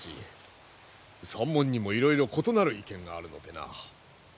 山門にもいろいろ異なる意見があるのでな。